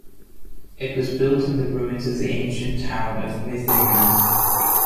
It was built in the ruins of the ancient town of Mythimna.